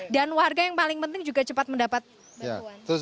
warga yang paling penting juga cepat mendapat bantuan